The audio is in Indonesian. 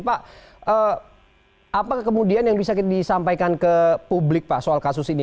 pak apa kemudian yang bisa disampaikan ke publik pak soal kasus ini